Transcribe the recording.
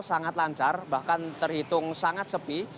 sangat lancar bahkan terhitung sangat sepi